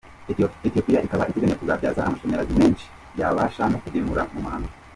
Ethiopia ikaba iteganya kuzabyaza amashanyarazi menshi yabasha no kugemura mu mahanga.